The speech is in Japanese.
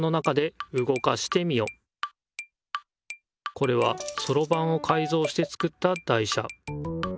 これはそろばんをかいぞうして作った台車。